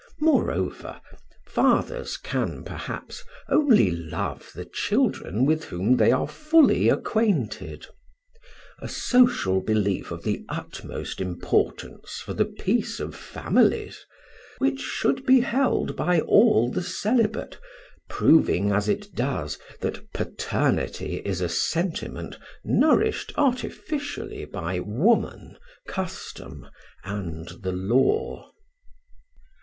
Moreover, fathers can, perhaps, only love the children with whom they are fully acquainted, a social belief of the utmost importance for the peace of families, which should be held by all the celibate, proving as it does that paternity is a sentiment nourished artificially by woman, custom, and the law.